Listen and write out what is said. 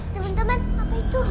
teman teman apa itu